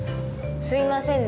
すいませんね